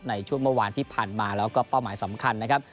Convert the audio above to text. ในช่วงเมื่อวานที่ผ่านมาแล้วก็เป้าหมายสำคัญนะครับ